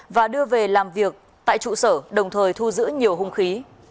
và đưa về làm việc tại trụ sở đồng thời thu giữ nhiều hung khí